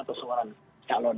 atau seorang calon